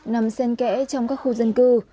nằm sen kẽ trong các khu dân cư